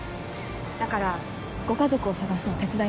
だからご家族を捜すの手伝います。